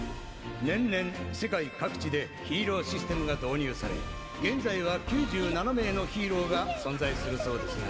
年々世界各地でヒーローシステムが導入され現在は９７名のヒーローが存在するそうですが。